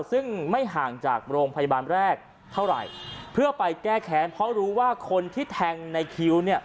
ซึ่งไม่ห่างจากโรงพยาบาลแรกเท่าไหร่เพื่อไปแก้แค้นเพราะรู้ว่าคนที่แทงในคิวเนี่ย